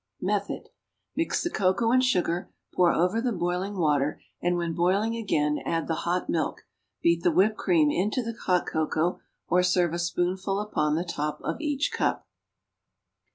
Method. Mix the cocoa and sugar, pour over the boiling water, and when boiling again add the hot milk; beat the whipped cream into the hot cocoa, or serve a spoonful upon the top of each cup.